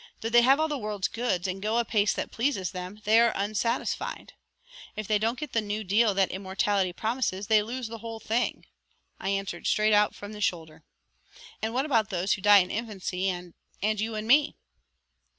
Though they have all the world's goods and go a pace that pleases them, they are unsatisfied. If they don't get the new deal that immortality promises they lose the whole thing," I answered straight out from the shoulder. "And what about those who die in infancy and and you and me?"